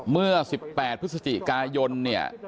เมื่อ๑๘พฤศจิกายนเนี่ย